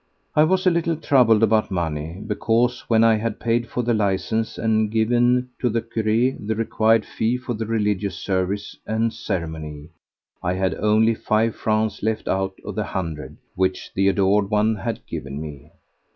I was a little troubled about money, because when I had paid for the licence and given to the cure the required fee for the religious service and ceremony, I had only five francs left out of the hundred which the adored one had given me.